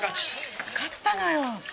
勝ったのよ。